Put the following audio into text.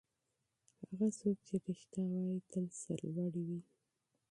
هغه څوک چې رښتیا وايي تل سرلوړی وي.